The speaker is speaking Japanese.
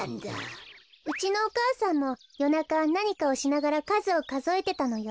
うちのお母さんもよなかなにかをしながらかずをかぞえてたのよ。